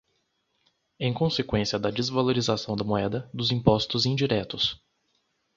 em consequência da desvalorização da moeda, dos impostos indiretos